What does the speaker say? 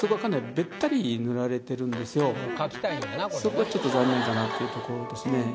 そこがちょっと残念かなっていうところですね。